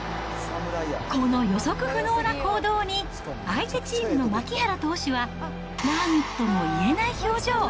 この予測不能な行動に、相手チームの槇原投手は、なんとも言えない表情。